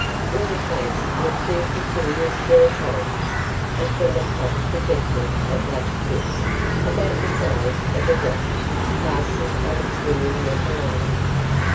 In the face were two peculiar square holes and from the top projected a black disc, about the size of a watch, fastened on a swinging metal arm.